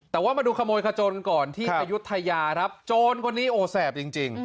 แต่ว่ามาดูขโมยขจนก่อนที่อายุทยาครับโจรคนนี้โอ้แสบจริง